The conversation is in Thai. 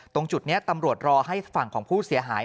ตำรวจรอให้ฝั่งของผู้เสียหาย